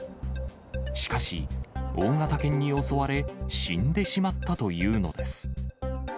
しかし、大型犬に襲われ、死んでしまったというのです。